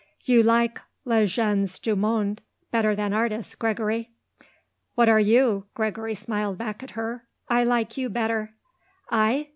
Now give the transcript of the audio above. You like les gens du monde better than artists, Gregory." "What are you?" Gregory smiled back at her. "I like you better." "I?